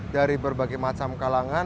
dari berbagai macam kalangan